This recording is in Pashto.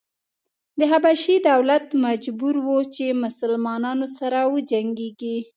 د حبشې دولت مجبور و چې مسلنانو سره وجنګېږي.